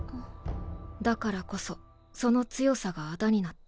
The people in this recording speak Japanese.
だからこそその強さがあだになった。